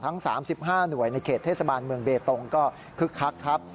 ทั้ง๓๕หน่วยในเขตเทศบาลเมืองเบตงก็คึกคักครับ